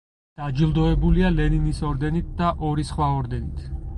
დაჯილდოებულია ლენინის ორდენით და ორი სხვა ორდენით.